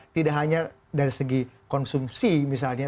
tidak hanya dari segi konsumsi misalnya